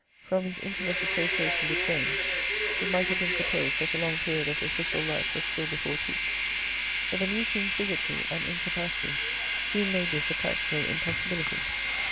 From his intimate association with James it might have been supposed that a long period of official life was still before Pepys, but the new king's bigotry and incapacity soon made this a practical impossibility.